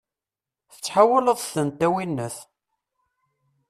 Tettḥawaleḍ-tent, a winnat!